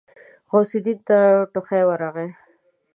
غوث الدين ته ټوخی ورغی.